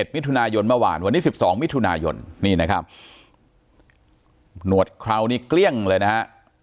มิถุนายนเมื่อวานวันนี้๑๒มิถุนายนนี่นะครับหนวดคราวนี้เกลี้ยงเลยนะฮะ